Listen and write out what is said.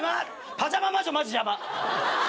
「パジャマ魔女マジ邪魔」